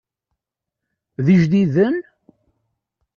D ijdiden?